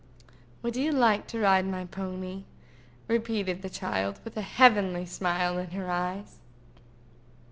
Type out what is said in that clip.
"Would you like to ride my pony?" repeated the child, with a heavenly smile in her eyes.